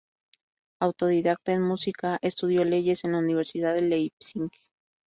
Autodidacta en música, estudió leyes en la Universidad de Leipzig.